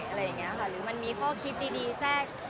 อะไรอย่างนี้ค่ะหรือมันมีข้อคิดดีแทรก